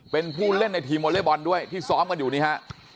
เป็นผู้เล่นในทีมวอเล็กบอลด้วยที่ซ้อมกันอยู่นี่ฮะ